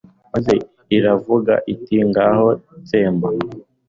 maze iravuga iti 'ngaho tsemba